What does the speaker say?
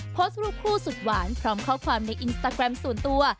โพสต์รูปคู่สุดหวานพร้อมข้อความในอินสตาแกรมส่วนตัว